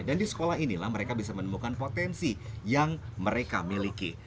dan di sekolah inilah mereka bisa menemukan potensi yang mereka miliki